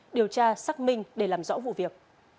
điều tra xác minh để làm rõ vụ việc